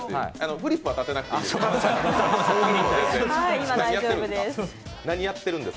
フリップは立てなくていいです。